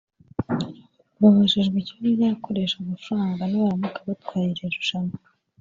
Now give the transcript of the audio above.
Babajijwe icyo bazakoresha amafaranga nibaramuka batwaye iri rushanwa